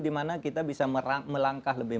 dimana kita bisa melangkah lebih